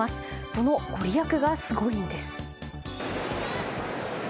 そのご利益が、すごいんです。